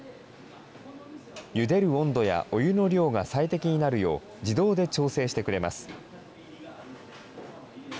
ゆでる温度やお湯の量が最適になるよう、自動で調整してくれます。